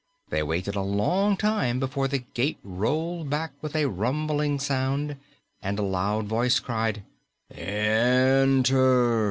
They waited a long time before the gate rolled back with a rumbling sound, and a loud voice cried, "Enter!"